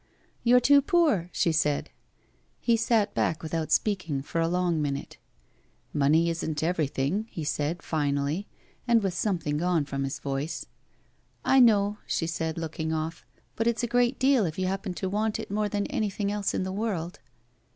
"You're too poor," she said. He sat back without speaking for a long minute. "Money isn't everything," he said, finally, and with something gone from his voice. "I know," she said, looking oflf; "but it's a great deal if you happen to want it more than anything else in the world."